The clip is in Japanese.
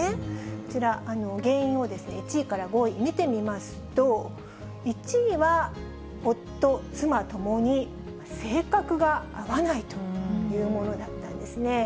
こちら、原因の１位から５位見てみますと、１位は夫、妻ともに性格が合わないというものだったんですね。